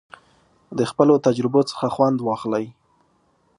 د خپلو تجربو څخه خوند واخلئ.